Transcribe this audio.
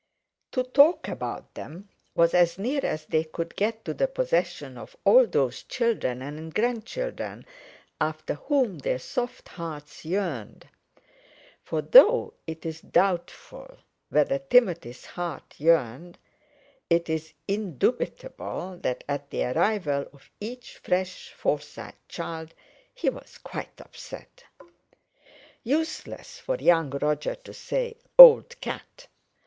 To talk about them was as near as they could get to the possession of all those children and grandchildren, after whom their soft hearts yearned. For though it is doubtful whether Timothy's heart yearned, it is indubitable that at the arrival of each fresh Forsyte child he was quite upset. Useless for young Roger to say, "Old cat!"